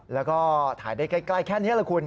แล้วก็ถ่ายได้ใกล้นี่แหละครับคุณ